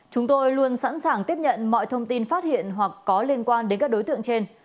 chúng tôi luôn sẵn sàng tiếp nhận mọi thông tin phát hiện hoặc có liên quan đến các đối tượng trên